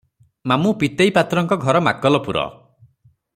ମାମୁ ପୀତେଇ ପାତ୍ରଙ୍କ ଘର ମାକଲପୁର ।